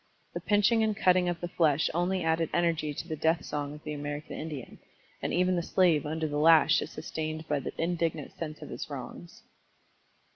The pinching and cutting of the flesh only added energy to the death song of the American Indian, and even the slave under the lash is sustained by the indignant sense of his wrongs."